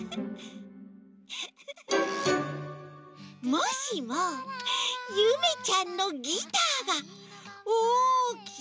もしもゆめちゃんのギターがおおきなしゃもじになったら。